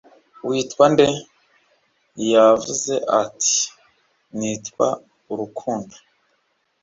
witwa nde? ' yavuze ati 'nitwa urukundo